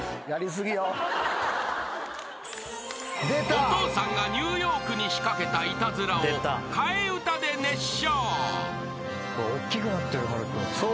［お父さんがニューヨークに仕掛けたいたずらを替え歌で熱唱］